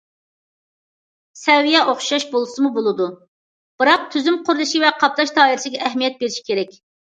سەۋىيە ئوخشاش بولمىسىمۇ بولىدۇ، بىراق تۈزۈم قۇرۇلۇشى ۋە قاپلاش دائىرىسىگە ئەھمىيەت بېرىش كېرەك.